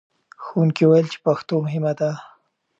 ښوونکي وویل چې پښتو مهمه ده.